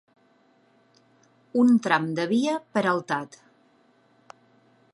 Un tram de via peraltat.